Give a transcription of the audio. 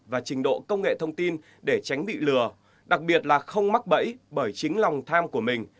và trình độ công nghệ thông tin để tránh bị lừa đặc biệt là không mắc bẫy bởi chính lòng tham của mình